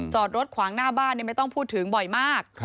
จอดรถขวางหน้าบ้านไม่ต้องพูดถึงบ่อยมาก